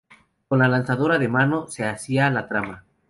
Con la lanzadora de mano se hacía la trama.